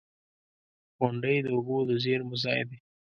• غونډۍ د اوبو د زیرمو ځای دی.